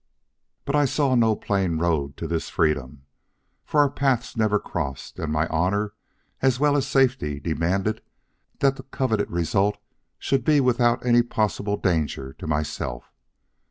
But I saw no plain road to this freedom, for our paths never crossed and my honor as well as safety demanded that the coveted result should be without any possible danger to myself.